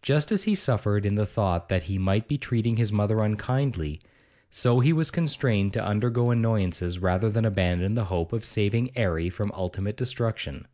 Just as he suffered in the thought that he might be treating his mother unkindly, so he was constrained to undergo annoyances rather than abandon the hope of saving 'Arry from ultimate destruction.